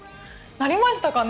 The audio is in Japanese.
なりましたかね。